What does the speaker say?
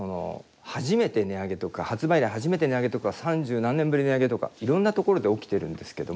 初めて値上げとか発売以来初めて値上げとか三十何年ぶり値上げとかいろんなところで起きてるんですけども。